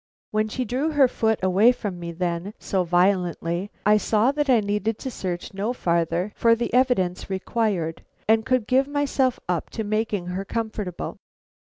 When she drew her foot away from me then, so violently, I saw that I needed to search no farther for the evidence required, and could give myself up to making her comfortable.